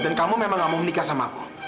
dan kamu memang gak mau menikah sama aku